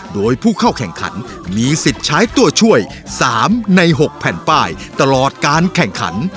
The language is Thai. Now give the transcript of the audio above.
โดยผู้เข้าแข่งขันมีสิทธิ์ใช้ตัวช่วย๓ใน๖แผ่นป้ายตลอดการแข่งขัน